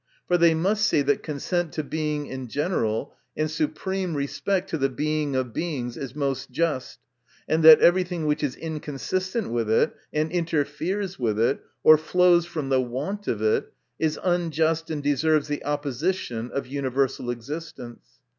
For they must see that consent to Being in general, and supreme respect to the Being of Beings, is most just ; and that every thing which is inconsistent with it, and interferes Avith it, or flows from the want of it, is unjust, and deserves the opposition of universal existence.